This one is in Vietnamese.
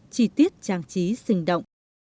trí tiết trang trí sinh động